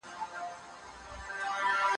په لوستلو کي هم بریالی یې.